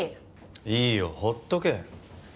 いいよほっとけ。